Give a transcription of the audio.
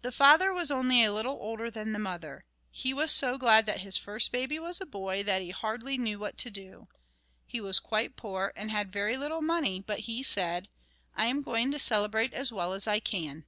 The father was only a little older than the mother. He was so glad that his first baby was a boy that he hardly knew what to do. He was quite poor and had very little money, but he said: "I am going to celebrate as well as I can.